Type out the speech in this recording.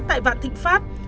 tại vạn thịnh pháp